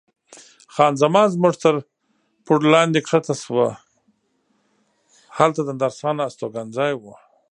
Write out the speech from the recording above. خان زمان زموږ تر پوړ لاندې کښته شوه، هلته د نرسانو استوګنځای و.